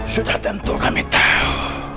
sudah tentu kami tahu